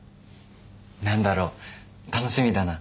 何だろう楽しみだな。